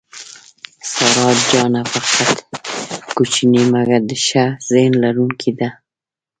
سارا جانه په قد کوچنۍ مګر د ښه ذهن لرونکې ده.